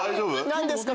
何ですか？